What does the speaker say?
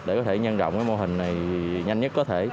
để có thể nhân rộng cái mô hình này nhanh nhất có thể